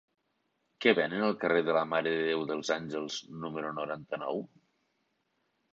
Què venen al carrer de la Mare de Déu dels Àngels número noranta-nou?